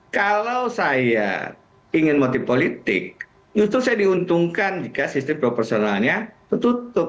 kalau saya ingin motif politik justru saya diuntungkan jika sistem proporsionalnya tertutup